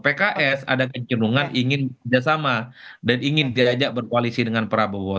pks ada kecenderungan ingin kerjasama dan ingin diajak berkoalisi dengan prabowo